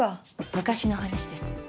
昔の話です。